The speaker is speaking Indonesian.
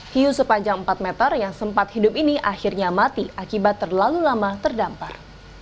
hiu sepanjang empat meter yang sempat hidup ini akhirnya mati akibat terlalu lama terdampar